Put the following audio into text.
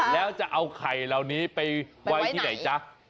แล้วจะเอาไข่เหล่านี้ไปไว้ที่ไหนจ๊ะ